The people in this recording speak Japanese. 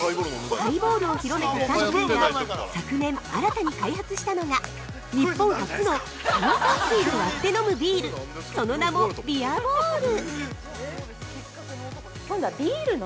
◆ハイボールを広めたサントリーが昨年、新たに開発したのが日本初の炭酸水で割って飲むビールその名も「ビアボール」。